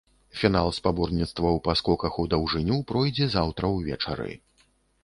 Фінал спаборніцтваў па скоках у даўжыню пройдзе заўтра ўвечары.